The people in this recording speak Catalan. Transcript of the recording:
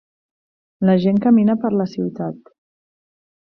La gent camina per la ciutat.